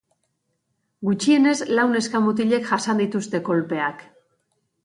Gutxienez lau neska-mutilek jasan dituzte kolpeak.